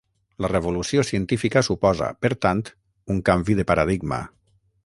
La revolució científica suposa, per tant, un canvi de paradigma.